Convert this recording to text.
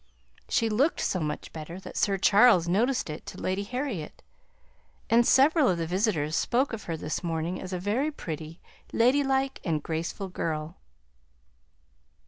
She looked so much better that Sir Charles noticed it to Lady Harriet; and several of the visitors spoke of her this morning as a very pretty, lady like, and graceful girl.